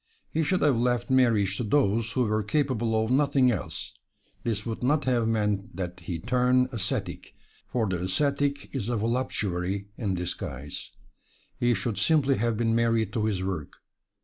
He should have left marriage to those who were capable of nothing else; this would not have meant that he turn ascetic, for the ascetic is a voluptuary in disguise. He should simply have been married to his work.